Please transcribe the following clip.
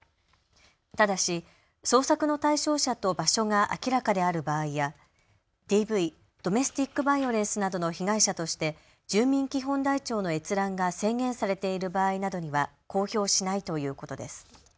ただし捜索の対象者と場所が明らかである場合やＤＶ・ドメスティック・バイオレンスなどの被害者として住民基本台帳の閲覧が制限されている場合などには公表しないということです。